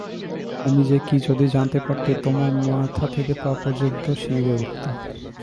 আমি যে কী যদি জানতে পারতে তোমার মাথা থেকে পা পর্যন্ত শিউরে উঠত।